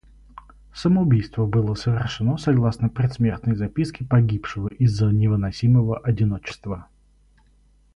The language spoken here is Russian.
Самоубийство было совершено согласно предсмертной записке погибшего из-за невыносимого одиночества.